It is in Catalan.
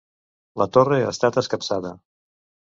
La torre ha estat escapçada.